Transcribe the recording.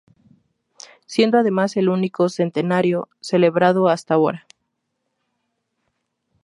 Siendo además el único centenario celebrado hasta ahora.